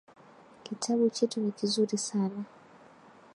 Kitabu chetu ni kizuri sana